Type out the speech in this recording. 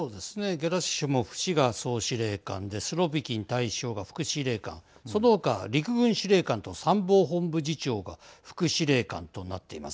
ゲラシモフ氏が総司令官でスロビキン大将が副司令官その他、陸軍司令官と参謀本部次長が副司令官となっています。